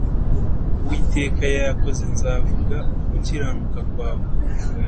Uwiteka yakoze nzavuga gukiranuka kwawe